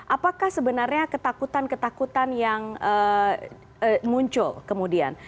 apakah sebenarnya ketakutan ketakutan yang muncul kemudian